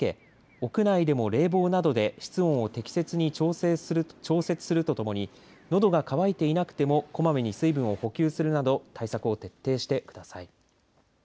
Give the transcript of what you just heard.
屋内でも冷房などで室温を適切に調節するとともにのどが乾いていなくてもこまめに水分を補給するなど対策を徹底してください。